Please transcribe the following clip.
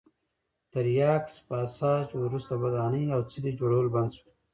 تر یاکس پاساج وروسته ودانۍ او څلي جوړول بند شول.